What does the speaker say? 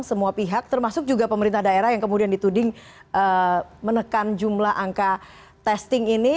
semua pihak termasuk juga pemerintah daerah yang kemudian dituding menekan jumlah angka testing ini